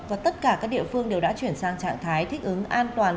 và tất cả các địa phương đều đã chuyển sang trạng thái thích ứng an toàn